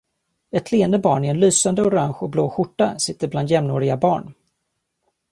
Ett leende barn i en lysande orange och blå skjorta sitter bland jämnåriga barn.